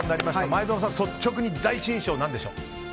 前園さん、率直に第一印象はどうでしょう。